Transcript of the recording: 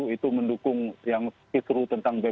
itu mendukung yang fitru tentang bnp